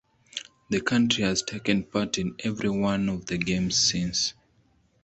The country has taken part in every one of the games since.